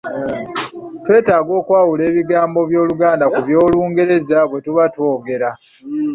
Twetaaga okwawula ebigambo by’Oluganda ku by'Olungereza bwetuba twogera.